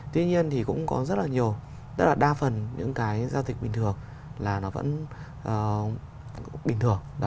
tuy nhiên thì cũng có rất là nhiều tức là đa phần những cái giao dịch bình thường là nó vẫn bình thường